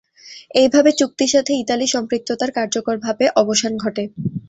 এইভাবে চুক্তির সাথে ইতালির সম্পৃক্ততার কার্যকরভাবে অবসান ঘটে।